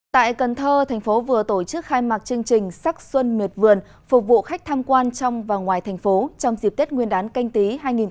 tại cần thơ thành phố vừa tổ chức khai mạc chương trình sắc xuân miệt vườn phục vụ khách tham quan trong và ngoài thành phố trong dịp tết nguyên đán canh tí hai nghìn hai mươi